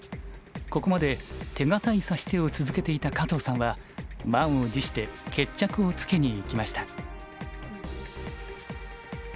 ここまで手堅い指し手を続けていた加藤さんは満を持して決着をつけにいきました。